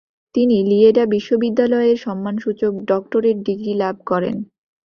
তিনি লিয়েডা বিশ্ববিদ্যালয়-এর সম্মানসূচক ডক্টরেট ডিগ্রী লাভ করেন।